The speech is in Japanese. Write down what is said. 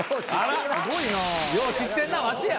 よう知ってんなワシや。